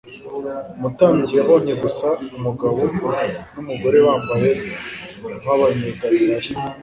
umutambyi yabonye gusa umugabo n'umugore bambaye nk'Abanyegalilaya,